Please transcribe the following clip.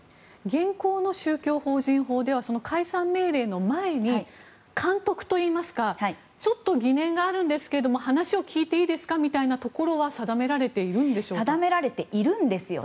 現行の宗教法人法ではその解散命令の前に監督といいますかちょっと疑念があるんですけど話を聞いていいですかみたいなところも定められているんでしょうか。